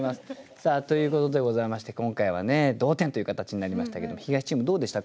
さあということでございまして今回はね同点という形になりましたけど東チームどうでしたか？